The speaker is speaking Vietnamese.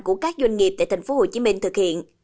của các doanh nghiệp tại tp hcm thực hiện